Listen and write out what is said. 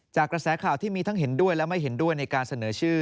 กระแสข่าวที่มีทั้งเห็นด้วยและไม่เห็นด้วยในการเสนอชื่อ